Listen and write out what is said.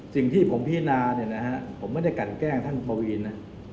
สิ่งที่ผมพินาเนี่ยนะฮะผมไม่ได้กันแกล้งท่านปวีนนะ